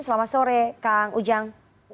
selamat sore kang ujang